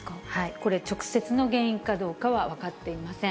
これ、直接の原因かどうかは分かっていません。